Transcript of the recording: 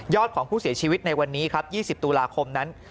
ของผู้เสียชีวิตในวันนี้ครับ๒๐ตุลาคมนั้น